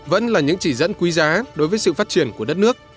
vẫn là những chỉ dẫn quý giá đối với sự phát triển của đất nước